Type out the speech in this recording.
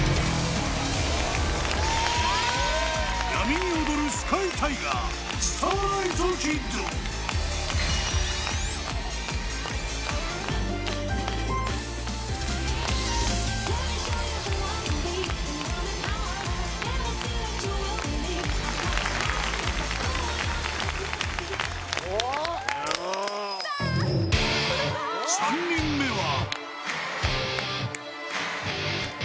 闇に踊るスカイ・タイガー３人目は。